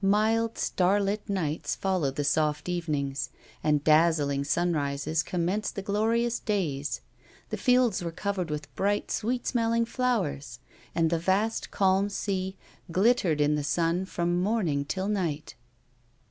Mild, starlit nights followed the soft evenings, and dazzling sunrises commenced the glorious days. The fields were covered with bright, sweet smelling flowers, and the vast calm sea glittered in the sun from morning till night.